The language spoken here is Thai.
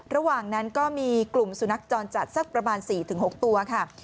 ระหว่างนั้นก็มีกลุ่มสุนัขจรจัดสักประมาณ๔๖ตัวค่ะ